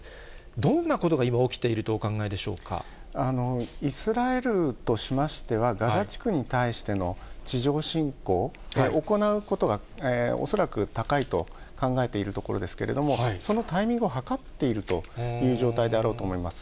どんなことが今、起きているとおイスラエルとしましては、ガザ地区に対しての地上侵攻、行うことが、恐らく高いと考えているところですけれども、そのタイミングをはかっているという状態であろうと思います。